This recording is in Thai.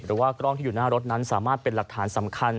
หรือว่ากล้องที่อยู่หน้ารถนั้นสามารถเป็นหลักฐานสำคัญ